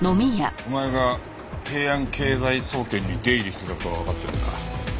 お前が平安経済総研に出入りしてた事はわかってるんだ。